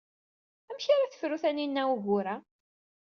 Amek ara tefru Taninna ugur-a?